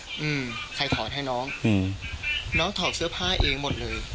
อืมใครถอดให้น้องอืมน้องน้องถอดเสื้อผ้าเองหมดเลย